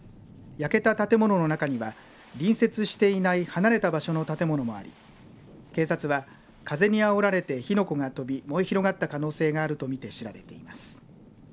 焼けた建物の中には隣接していない離れた場所の建物もあり警察は風にあおられて火の粉が飛び燃え広がった可能性があると見て調べています。